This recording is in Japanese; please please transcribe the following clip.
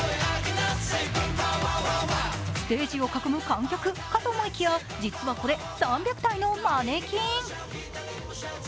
ステージを囲む観客かと思いきや、実はこれ３００体のマネキン。